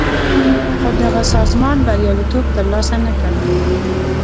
خو دغه سازمان بریالیتوب تر لاسه نه کړ.